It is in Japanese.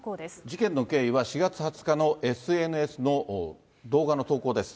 事件の経緯は４月２０日のＳＮＳの動画の投稿です。